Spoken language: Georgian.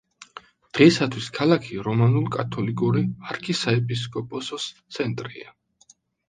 დღეისათვის, ქალაქი რომანულ-კათოლიკური არქისაეპისკოპოსოს ცენტრია.